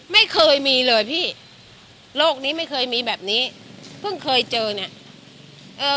ไม่เคยมีเลยพี่โรคนี้ไม่เคยมีแบบนี้เพิ่งเคยเจอเนี่ยเออ